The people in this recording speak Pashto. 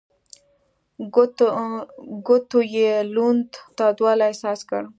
ګوتو يې لوند تودوالی احساس کړ.